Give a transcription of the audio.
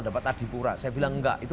dapat adipura saya bilang enggak itu